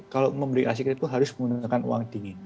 kalau membeli aset itu harus menggunakan uang dingin